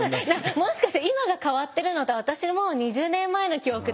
もしかしたら今が変わってるのと私も２０年前の記憶で。